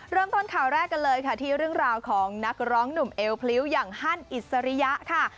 เริ่มต้นข่าวแรกกันเลยค่ะที่เรื่องราวของนักร้องหนุ่มเอวพลิ้วอย่างฮั่นอิสริยะค่ะ